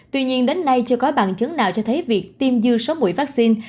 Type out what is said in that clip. tuy nhiên đến nay chưa có bằng chứng nào cho thấy việc tiêm dư số mũi vaccine